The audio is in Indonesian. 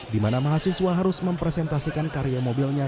di mana mahasiswa harus mempresentasikan karya mobilnya